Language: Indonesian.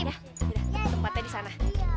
udah tempatnya di sana